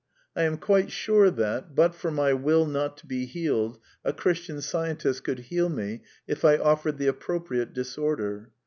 I am quite sure that, but for my will not to be healed, a Christian Scientist could heal me if I offered the appropriate disorder.